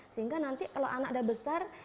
sehingga nanti kalau anak dah besar